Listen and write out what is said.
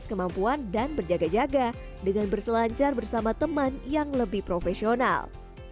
kemampuan dan berjaga jaga dengan berselancar bersama teman yang lebih profesional